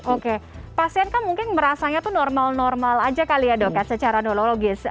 oke pasien kan mungkin merasanya tuh normal normal aja kali ya dok ya secara norologis